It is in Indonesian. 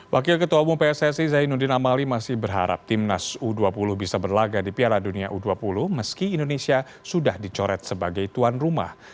wakil ketua umum pssi zainuddin amali masih berharap timnas u dua puluh bisa berlaga di piala dunia u dua puluh meski indonesia sudah dicoret sebagai tuan rumah